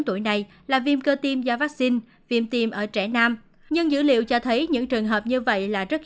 tuổi này là viêm cơ tiêm do vaccine viêm tiêm ở trẻ nam nhưng dữ liệu cho thấy những trường hợp như vậy là rất hiếm và lợi ích rất lớn